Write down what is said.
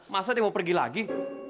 masa dia mau pergi lagi